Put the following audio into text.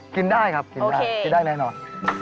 กินได้ครับกินได้แน่นอน